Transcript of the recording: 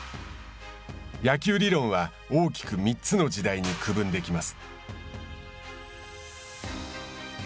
野球理論は大きく３つの時代に区分できます。